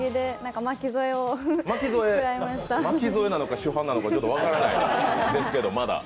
巻き添えなのか主犯なのかまだ分からないですけど。